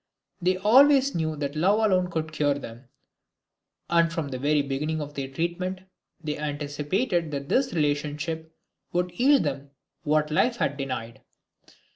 They always knew that love alone could cure them, and from the very beginning of their treatment they anticipated that this relationship would yield them what life had denied.